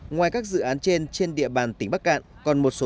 ngoài các dự án trên trên địa bàn tỉnh bắc cạn còn một số tuyến đường